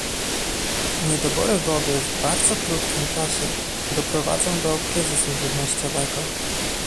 Niedobory wody w bardzo krótkim czasie doprowadzą do kryzysu żywnościowego